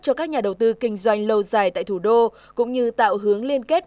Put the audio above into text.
cho các nhà đầu tư kinh doanh lâu dài tại thủ đô cũng như tạo hướng liên kết